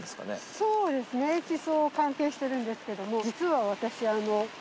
そうですね地層関係してるんですけども。